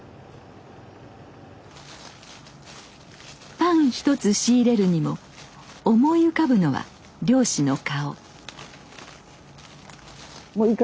パン一つ仕入れるにも思い浮かぶのは漁師の顔。